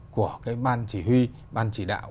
của cái ban chỉ huy ban chỉ đạo